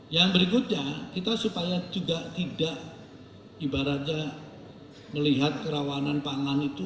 yang berikutnya kita supaya juga tidak ibaratnya melihat kerawanan pangan itu